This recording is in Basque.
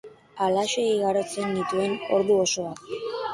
Halaxe igarotzen nituen ordu osoak.